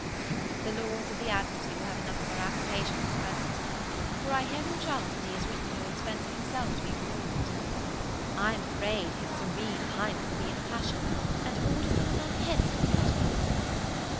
... The Lords of the Admiralty will have enough of our applications at present, for I hear from Charles that he has written to Lord Spencer himself to be removed. I am afraid his Serene Highness will be in a passion, and order some of our heads to be cut off.